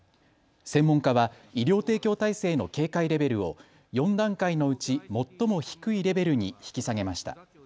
専門家は医療提供体制の警戒レベルを４段階のうち最も低いレベルに引き下げました。